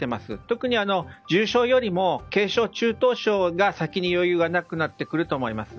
特に重症よりも軽症・中等症が先に余裕がなくなってくると思います。